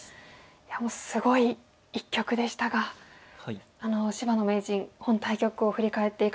いやもうすごい一局でしたが芝野名人本対局を振り返っていかがでしょうか？